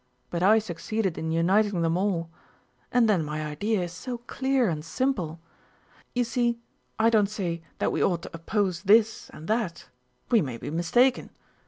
But I succeeded in uniting them all; and then my idea is so clear and simple. You see, I don't say that we ought to oppose this and that. We may be mistaken.